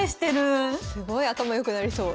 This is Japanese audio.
すごい頭良くなりそう。